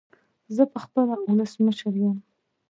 زه خپله ولسمشر يم